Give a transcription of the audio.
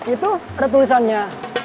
itu ada tulisannya